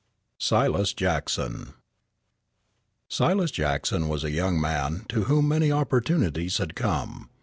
SILAS JACKSON I Silas Jackson was a young man to whom many opportunities had come.